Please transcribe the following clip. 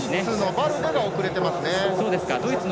バルデが遅れていますね。